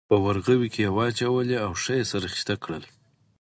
په ورغوي کې یې واچولې او ښه یې سره خیشته کړل.